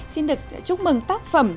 xin được chúc mừng tác phẩm